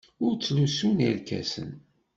Ur ttlusun irkasen.